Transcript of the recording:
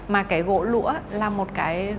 mà cái gỗ lũa là một cái